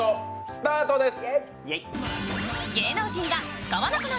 スタートです。